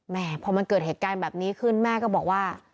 แม่พอมันเกิดเหตุการณ์แบบนี้ขึ้นแม่ก็บอกว่า